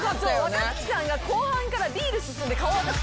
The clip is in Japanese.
若槻さんが後半からビール進んで顔赤くて。